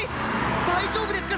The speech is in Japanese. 大丈夫ですか？